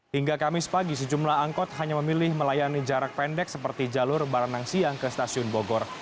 hingga kamis pagi sejumlah angkot hanya memilih melayani jarak pendek seperti jalur baranang siang ke stasiun bogor